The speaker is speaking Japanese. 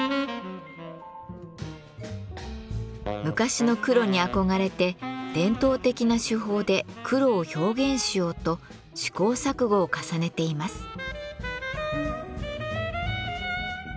昔の黒に憧れて伝統的な手法で黒を表現しようと試行錯誤を重ねています。